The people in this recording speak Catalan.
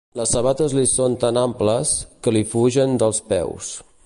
Les sabates li són tan amples, que li fugen dels peus.